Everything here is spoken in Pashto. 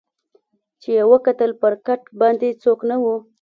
چي یې وکتل پر کټ باندي څوک نه وو